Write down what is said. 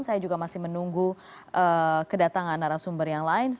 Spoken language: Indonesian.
saya juga masih menunggu kedatangan narasumber yang lain